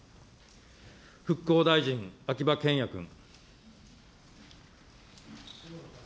復興大臣、秋葉賢也君。